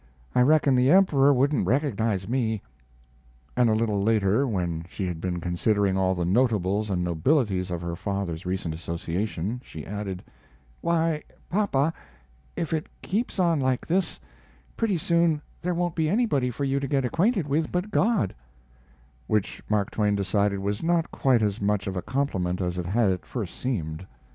I reckon the Emperor wouldn't recognize me." And a little later, when she had been considering all the notables and nobilities of her father's recent association, she added: "Why, papa, if it keeps on like this, pretty soon there won't be anybody for you to get acquainted with but God," which Mark Twain decided was not quite as much of a compliment as it had at first seemed.